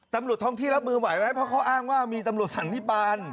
ตำรวจท้องที่รับมือไหวไหมเพราะเขาอ้างว่ามีตำรวจสันนิปาน